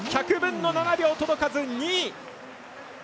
１００分の７秒、届かず２位。